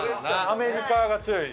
アメリカが強い。